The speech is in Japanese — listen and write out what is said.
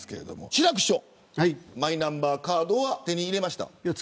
志らく師匠マイナンバーカードは手に入れましたか。